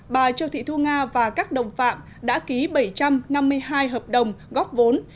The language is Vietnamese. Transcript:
bà châu thị thu nga và các đồng phạm đã ký bảy trăm năm mươi hai hợp đồng góp vốn